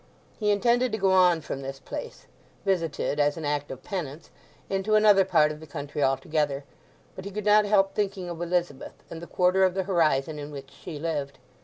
He intended to go on from this place—visited as an act of penance—into another part of the country altogether. But he could not help thinking of Elizabeth, and the quarter of the horizon in which she lived.